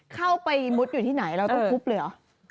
เข้าไปมุดอยู่ที่ไหนเราต้องทุบเลยเหรอ